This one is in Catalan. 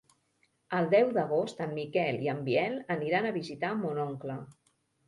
El deu d'agost en Miquel i en Biel aniran a visitar mon oncle.